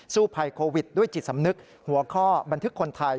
ภัยโควิดด้วยจิตสำนึกหัวข้อบันทึกคนไทย